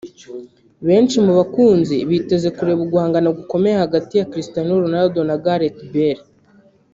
Benshi mu bakunzi biteze kureba uguhangana gukomeye hagati ya Cristiano Ronaldo na Gareth Bale